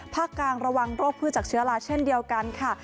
ภาคกลางระวังโรคพืชจากเชื้อลาเช่นเดียวกันค่ะ